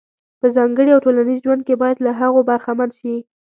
په ځانګړي او ټولنیز ژوند کې باید له هغو برخمن شي.